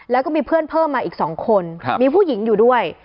แล้วก็มีเพื่อนเพิ่มมาอีก๒คนมีผู้หญิงอยู่ด้วย